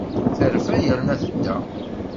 Terfa yernu tedda.